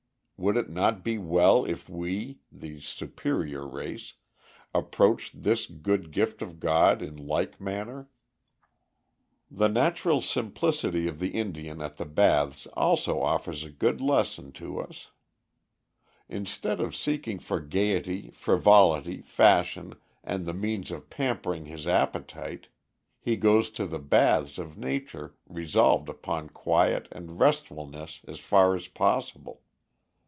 Would it not be well if we the superior race approached this good gift of God in like manner? [Illustration: THE SHAMAN TELLING THE STORY OF THE FIRST TOHOLWOH.] The natural simplicity of the Indian at the baths also offers a good lesson to us. Instead of seeking for gaiety, frivolity, fashion, and the means of pampering his appetite, he goes to the baths of nature resolved upon quiet and restfulness as far as possible.